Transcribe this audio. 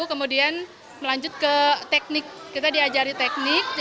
kemudian melanjut ke teknik kita diajari teknik